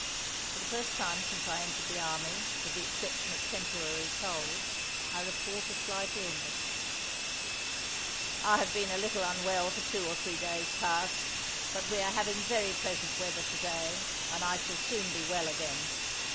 For the first time since I entered the army, with the exception of temporary colds, I report a slight illness: "I have been a little unwell for two or three days past, but we are having very pleasant weather to day, and I shall soon be well again.